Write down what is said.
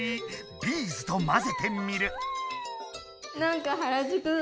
ビーズとまぜてみる！